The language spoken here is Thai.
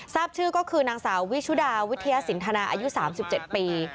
ทราบชื่อก็คือนางสาววิชุดาวิทยาสินทนาอายุ๓๗ปี